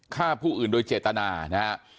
ฆ่าผู้อื่นโดยเจตนานะฮะ